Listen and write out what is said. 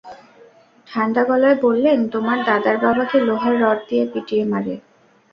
ঠাণ্ডা গলায় বললেন, তোমার দাদার বাবাকে লোহার রড দিয়ে পিটিয়ে মারে?